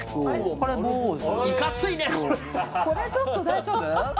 これこれちょっと大丈夫？